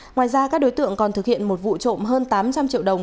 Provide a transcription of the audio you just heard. ngoài ra các đối tượng còn thực hiện một vụ trộm hơn tám trăm linh triệu đồng